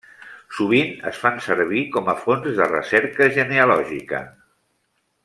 Sovint es fan servir com a fonts de recerca genealògica.